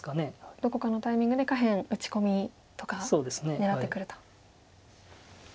どこかのタイミングで下辺打ち込みとか狙ってくると。